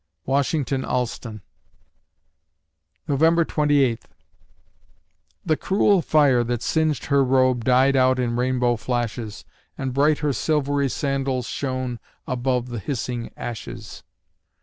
WASHINGTON ALLSTON November Twenty Eighth The cruel fire that singed her robe died out in rainbow flashes, And bright her silvery sandals shone above the hissing ashes!